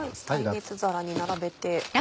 耐熱皿に並べて。